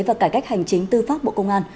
và cải cách hành chính tư pháp bộ công an